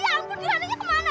ya ampun gerhananya kemana